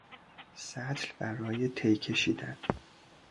سطل برای تی کشیدن